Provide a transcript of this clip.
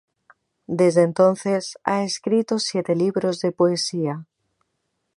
Desde entonces, ha escrito siete libros de poesía.